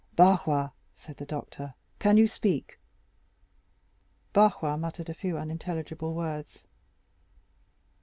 "Barrois," said the doctor, "can you speak?" Barrois muttered a few unintelligible words.